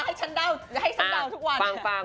ให้ฉันเดาทุกวัน